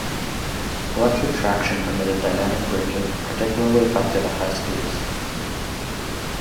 Electric traction permitted dynamic braking, particularly effective at high speeds.